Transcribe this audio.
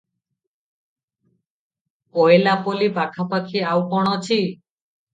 ଅଁଏଲାପଲି ପାଖାପାଖି ଆଉ କଣ ଅଛି?